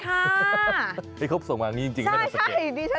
นี่เขาส่งมาอย่างนี้จริงให้เราสังเกต